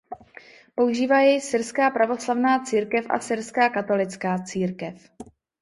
Používá jej syrská pravoslavná církev a syrská katolická církev.